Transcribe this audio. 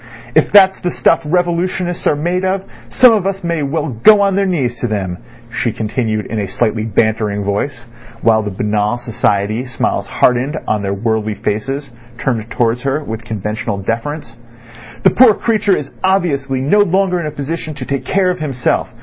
If that's the stuff revolutionists are made of some of us may well go on their knees to them," she continued in a slightly bantering voice, while the banal society smiles hardened on the worldly faces turned towards her with conventional deference. "The poor creature is obviously no longer in a position to take care of himself.